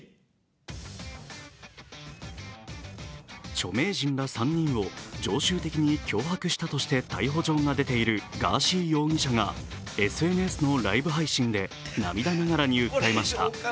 著名人ら３人を常習的に脅迫したとして逮捕状が出ているガーシー容疑者がＳＮＳのライブ配信で涙ながらに訴えました。